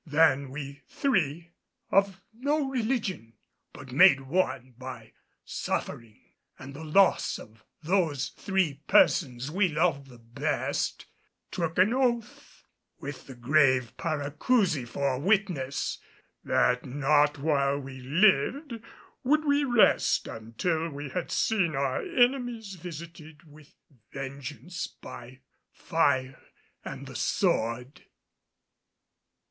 Then we three, of no religion, but made one by suffering and the loss of those three persons we loved the best, took an oath, with the grave Paracousi for witness, that not while we lived would we rest until we had seen our enemies visited with vengeance by fire and the sword.